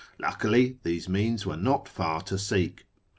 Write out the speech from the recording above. Luckily, these means were not far to seek.